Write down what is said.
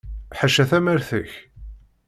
Ḥaca tamart ik.